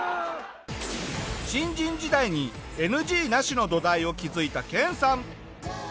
新人時代にＮＧなしの土台を築いた研さん。